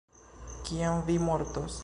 Kiam vi mortos?